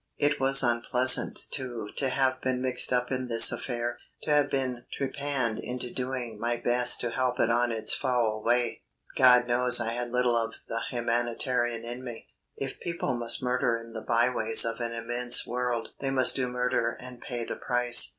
It was unpleasant, too, to have been mixed up in this affair, to have been trepanned into doing my best to help it on its foul way. God knows I had little of the humanitarian in me. If people must murder in the by ways of an immense world they must do murder and pay the price.